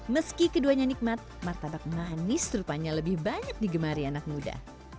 meski keduanya nikmat martabak manis rupanya lebih banyak digemari anak muda